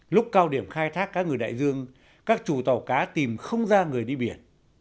lúc cao điểm khai thác cá ngừ đại dương các chủ tàu cá tìm không ra người đi biển